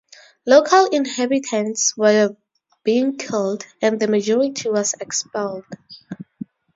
Local inhabitants were being killed, and the majority was expelled.